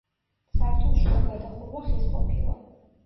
სართულშუა გადახურვა ხის ყოფილა.